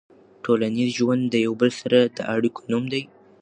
ټولنیز ژوند د یو بل سره د اړیکو نوم دی.